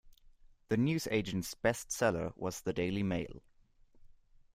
The newsagent’s best seller was The Daily Mail